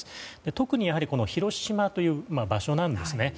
特に広島という場所なんですね。